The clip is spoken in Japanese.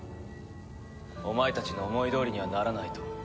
お前たちの思いどおりにはならないと。